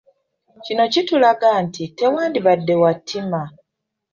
Kino kitulaga nti tewandibadde wa ttima.